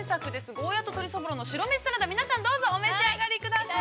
ゴーヤと鶏そぼろの白飯サラダ皆さん、どうぞお召し上がりください。